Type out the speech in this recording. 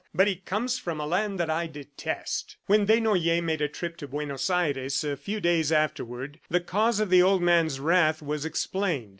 "But he comes from a land that I detest." When Desnoyers made a trip to Buenos Aires a few days afterward, the cause of the old man's wrath was explained.